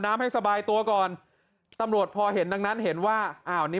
ให้สบายตัวก่อนตำรวจพอเห็นดังนั้นเห็นว่าอ้าวนี่